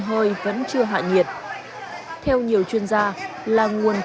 em ơi đắt lên đây này